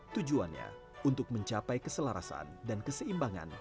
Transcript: tujuannya untuk mencapai keselarasan dan keseimbangan